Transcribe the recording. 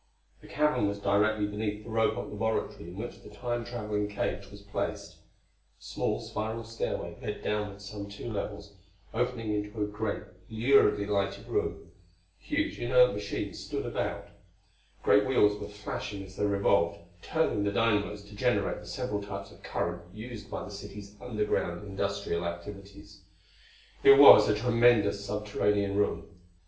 This cavern was directly beneath the Robot laboratory in which the Time traveling cage was placed. A small spiral stairway led downward some two levels, opening into a great, luridly lighted room. Huge inert machines stood about. Great wheels were flashing as they revolved, turning the dynamos to generate the several types of current used by the city's underground industrial activities. It was a tremendous subterranean room.